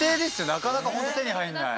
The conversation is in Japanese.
なかなかホント手に入んない。